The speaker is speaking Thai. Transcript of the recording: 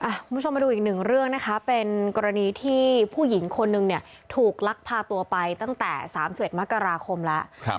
คุณผู้ชมมาดูอีกหนึ่งเรื่องนะคะเป็นกรณีที่ผู้หญิงคนนึงเนี่ยถูกลักพาตัวไปตั้งแต่๓๑มกราคมแล้ว